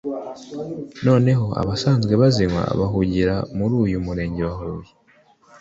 noneho abasanzwe bazinywa bahungira muri uyu murenge wa Huye